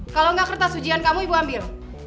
kalo engga kertas ujian kamu ibu ambil